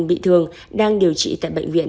bị thương đang điều trị tại bệnh viện